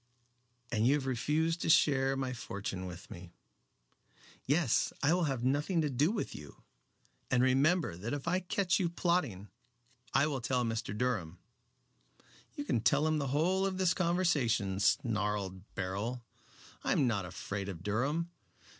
"And you have refused to share my fortune with me." "Yes. I will have nothing to do with you. And remember that if I catch you plotting I will tell Mr. Durham." "You can tell him the whole of this conversation," snarled Beryl. "I am not afraid of Durham.